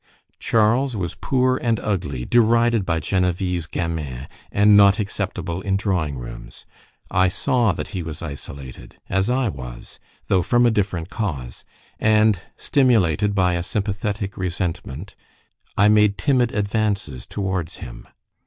Charles was poor and ugly, derided by Genevese gamins, and not acceptable in drawing rooms. I saw that he was isolated, as I was, though from a different cause, and, stimulated by a sympathetic resentment, I made timid advances towards him.